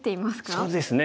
そうですね。